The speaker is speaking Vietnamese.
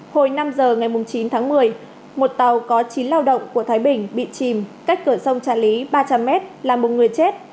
hồi năm giờ ngày chín tháng một mươi một tàu có chín lao động của thái bình bị chìm cách cửa sông trà lý ba trăm linh m làm một người chết